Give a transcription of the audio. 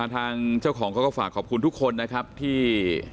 ทางเจ้าของเขาก็ฝากขอบคุณทุกคนนะครับที่